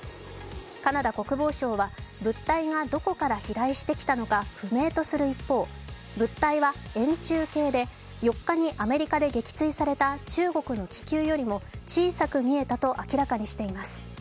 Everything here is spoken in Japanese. カナダ国防省は物体がどこから飛来してきたのが不明とする一方物体は円柱形で４日にアメリカで撃墜された中国の気球よりも小さく見えたと明らかにしています。